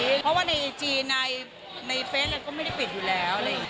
เพราะว่าในไอจีในเฟสเราก็ไม่ได้ปิดอยู่แล้วอะไรอย่างนี้